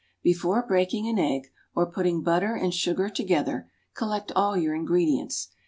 Before breaking an egg, or putting butter and sugar together, collect all your ingredients.